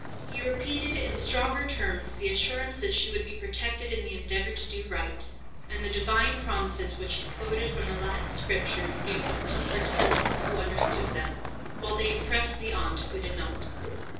He repeated, in stronger terms, the assurance that she would be protected in the endeavour to do right, and the Divine promises which he quoted from the Latin Scriptures gave some comfort to the niece, who understood them, while they impressed the aunt, who did not.